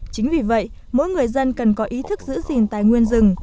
chính vì vậy mỗi người dân cần có ý thức giữ gìn tài nguyên rừng